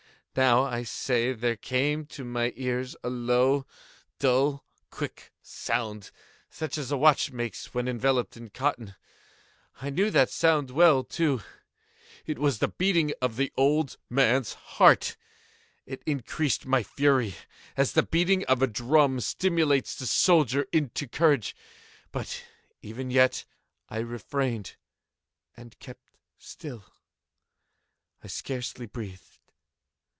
—now, I say, there came to my ears a low, dull, quick sound, such as a watch makes when enveloped in cotton. I knew that sound well, too. It was the beating of the old man's heart. It increased my fury, as the beating of a drum stimulates the soldier into courage. But even yet I refrained and kept still. I scarcely breathed.